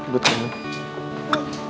buat apa nung